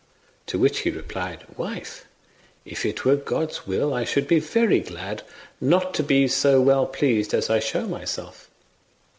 To which he replied, "Wife, if it were God's will, I should be very glad not to be so well pleased as I show myself."